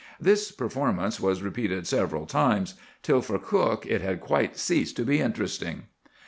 This performance was repeated several times, till for cook it had quite ceased to be interesting.